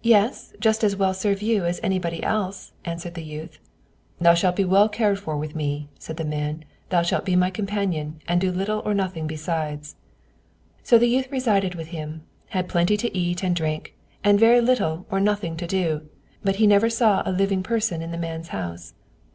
"Yes, just as well serve you as anybody else," answered the youth. "Thou shalt be well cared for with me," said the man: "thou shalt be my companion, and do little or nothing besides." So the youth resided with him, had plenty to eat and drink, and very little or nothing to do; but he never saw a living person in the man's house.